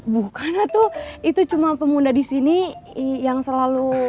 bukan lah tuh itu cuma pemuda disini yang selalu